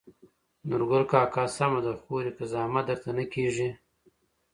نورګل کاکا: سمه ده خورې که زحمت درته نه کېږي.